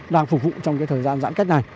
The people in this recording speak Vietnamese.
đang phục vụ trong thời gian giãn cách này